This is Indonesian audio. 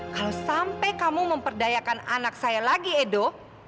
kalau sampai kamu memperdayakan anak saya lagi edo